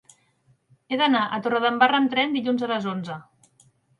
He d'anar a Torredembarra amb tren dilluns a les onze.